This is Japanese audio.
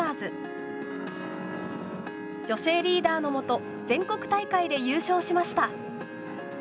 女性リーダーのもと全国大会で優勝しました。